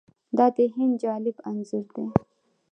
دا د هند جالب انځور دی.